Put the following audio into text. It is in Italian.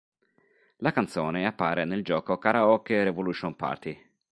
La canzone appare nel gioco Karaoke Revolution Party.